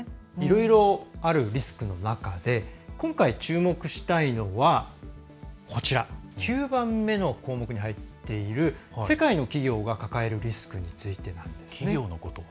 いろいろあるリスクの中で今回、注目したいのは９番目の項目に入っている世界の企業が抱えるリスクについてなんですね。